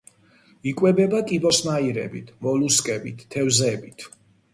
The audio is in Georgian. იკვებება კიბოსნაირებით, მოლუსკებით, თევზებით.